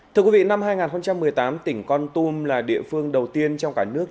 thưa quý vị năm hai nghìn một mươi tám tỉnh con tum là địa phương đầu tiên trong cả nước